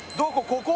ここ？